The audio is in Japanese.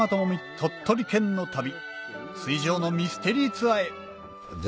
鳥取県の旅水上のミステリーツアーへ！